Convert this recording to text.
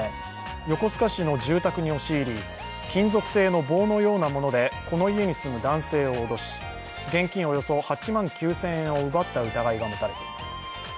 横須賀市の住宅に押し入り、金属製の棒のようなものでこの家に住む男性を脅し、現金およそ８万９０００円を奪った疑いが持たれています。